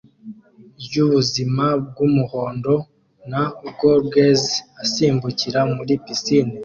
ryubuzima bwumuhondo na goggles asimbukira muri pisine